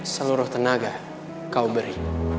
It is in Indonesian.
seluruh tenaga kau beri